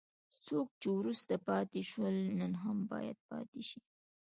څوک چې وروسته پاتې شول نن هم باید پاتې شي.